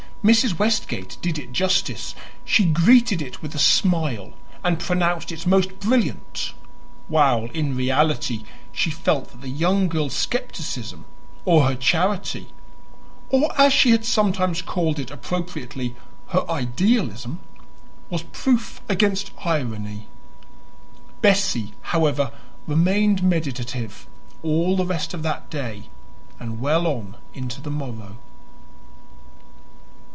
Mrs. Westgate did it justice; she greeted it with a smile and pronounced it most brilliant, while, in reality, she felt that the young girl's skepticism, or her charity, or, as she had sometimes called it appropriately, her idealism, was proof against irony. Bessie, however, remained meditative all the rest of that day and well on into the morrow.